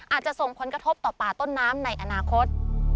อาจจะส่งผลกระทบต่อป่าต้นน้ำในอนาคต